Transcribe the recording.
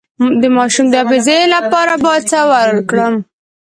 د ماشوم د حافظې لپاره باید څه ورکړم؟